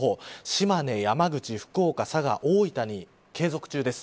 島根、山口、福岡、佐賀大分に継続中です。